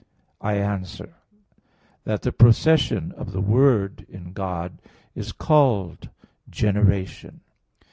I answer that, The procession of the Word in God is called generation.